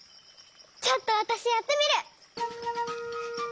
ちょっとわたしやってみる！